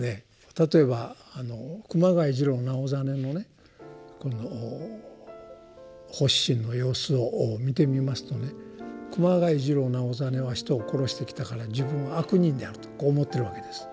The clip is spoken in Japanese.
例えば熊谷次郎直実のねこの発心の様子を見てみますとね熊谷次郎直実は人を殺してきたから自分は「悪人」であるとこう思ってるわけです。